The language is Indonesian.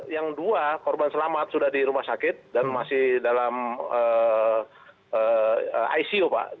yang dua korban selamat sudah di rumah sakit dan masih dalam icu pak